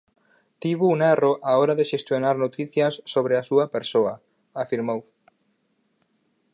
Tivo un erro á hora de xestionar noticias sobre a súa persoa, afirmou.